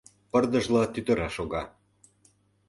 Пырдыжла тӱтыра шога.